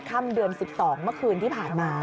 ค่ำเดือน๑๒เมื่อคืนที่ผ่านมา